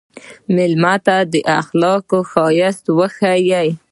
مېلمه ته د اخلاقو ښایست وښیه.